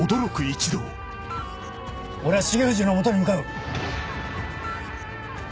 俺は重藤の元に向かう。